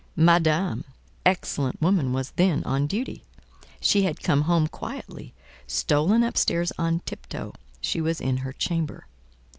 Madame—excellent woman! was then on duty. She had come home quietly, stolen up stairs on tip toe; she was in her chamber.